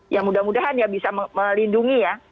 ya mudah mudahan ya bisa melindungi ya